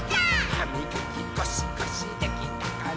「はみがきゴシゴシできたかな？」